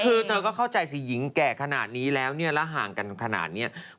คือเธอก็เข้าใจสิหญิงแก่ขนาดนี้แล้วเนี่ยแล้วห่างกันขนาดนี้